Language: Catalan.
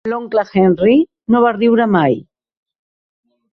L"oncle Henry no va riure mai.